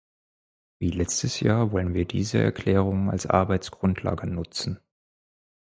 Wie letztes Jahr wollen wir diese Erklärungen als Arbeitsgrundlage nutzen.